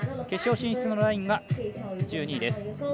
決勝進出のラインが１２位です。